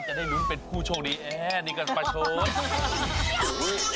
ก็จะได้รุ้นเป็นผู้โชคดีนี่ก่อนประโยชน์